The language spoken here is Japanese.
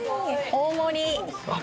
大盛り！